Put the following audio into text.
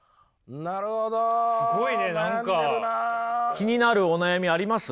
気になるお悩みあります？